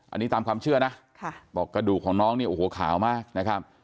อันนี้ตามความเชื่อนะบอกกระดูกของน้องเนี่ยโอ้โหขาวมากนะครับ